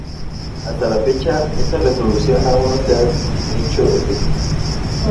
Hasta la fecha esta resolución aún no se ha hecho efectiva.